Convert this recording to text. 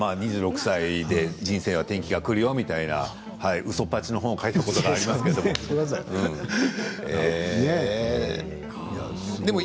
２６歳で人生転機がくるよとうそっぱちの本を書いたことがありますけれども。